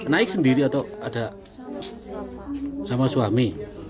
naik sendiri atau ada sama suami